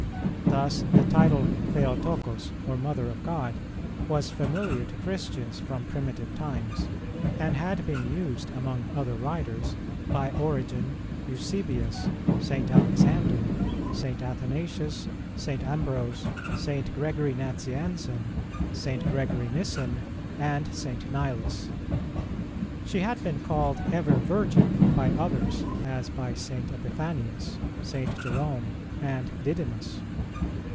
Thus the title Theotocos, or Mother of God, was familiar to Christians from primitive times, and had been used, among other writers, by Origen, Eusebius, St. Alexander, St. Athanasius, St. Ambrose, St. Gregory Nazianzen, St. Gregory Nyssen, and St. Nilus. She had been called Ever Virgin by others, as by St. Epiphanius, St. Jerome, and Didymus.